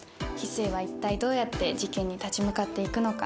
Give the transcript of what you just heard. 翡翠は一体どうやって事件に立ち向かっていくのか。